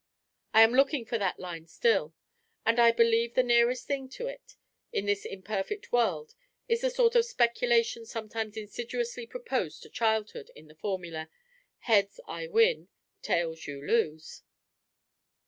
I am looking for that line still; and I believe the nearest thing to it in this imperfect world is the sort of speculation sometimes insidiously proposed to childhood, in the formula, "Heads, I win; tails, you lose."